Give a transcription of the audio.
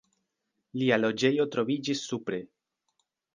Lia loĝejo troviĝis supre.